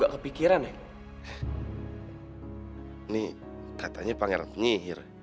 makannya cuma sendok nih